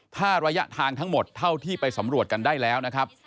ถ้าระยะทางทั้งหมดเท่าที่ไปสำรวจกันได้แล้วนะครับ